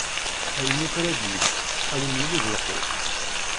Ayen akk ara d-ifk, ad wen-yili d lqut.